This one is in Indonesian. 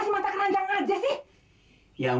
ya yang mata keranjang hacia apa sih